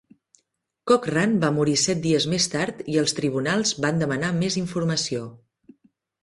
Cochran va morir set dies més tard i els tribunals van demanar més informació.